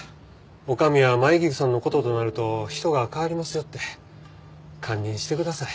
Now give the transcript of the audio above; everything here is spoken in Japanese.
女将は舞菊さんの事となると人が変わりますよって堪忍してください。